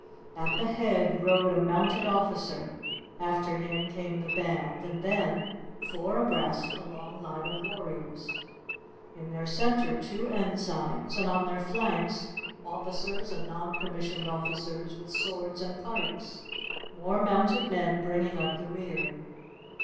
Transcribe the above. At the head rode a mounted officer, after him came the band, and then, four abreast, a long line of warriors; in their centre two ensigns, and on their flanks, officers and non commissioned officers with swords and pikes; more mounted men bringing up the rear.